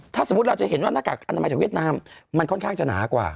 ถ้าสมมุติเราจะเห็นว่าหน้ากากอนามัยจากเวียดนามมันค่อนข้างจะหนากว่า